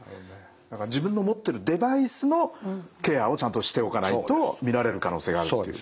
自分の持っているデバイスのケアをちゃんとしておかないと見られる可能性があるということですね。